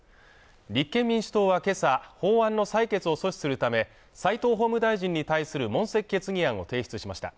立憲民主党は今朝法案の採決を阻止するため、斎藤法務大臣に対する問責決議案を提出しました。